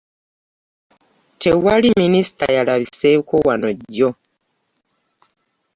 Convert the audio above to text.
Tewali minisita yalabiseeko wano jjo.